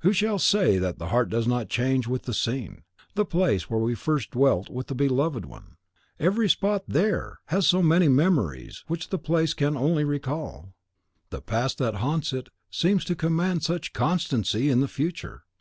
Who shall say that the heart does not change with the scene, the place where we first dwelt with the beloved one? Every spot THERE has so many memories which the place only can recall. The past that haunts it seems to command such constancy in the future.